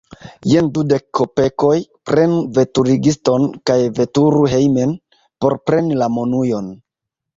Jen dudek kopekoj; prenu veturigiston kaj veturu hejmen, por preni la monujon.